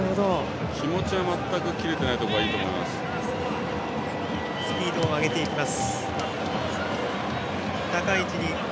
気持ちは全く切れていないのがいいと思います。